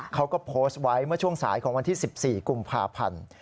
เขาก็โพสต์ไว้เมื่อช่วงสายของวันที่๑๔กุมภาพันธ์